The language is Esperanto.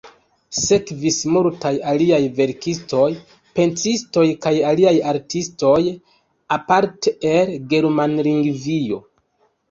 Sekvis multaj aliaj verkistoj, pentristoj kaj aliaj artistoj, aparte el Germanlingvio.